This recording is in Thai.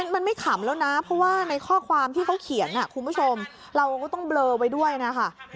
มันไม่ขำแล้วนะเพราะว่าในข้อความที่เขาเขียนคุณผู้ชมเราก็ต้องเบลอไว้ด้วยนะคะ